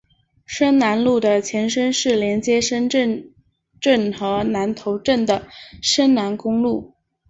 深南路的前身是连接深圳镇和南头镇的深南公路。